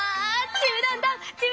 ちむどんどん！